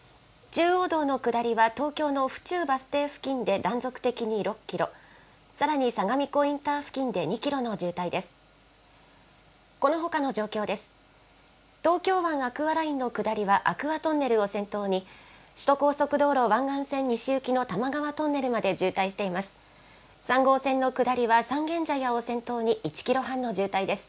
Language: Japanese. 中央道の下りは東京の府中バス停付近で断続的に６キロ、さらに相模湖インター付近で２キロの渋滞です。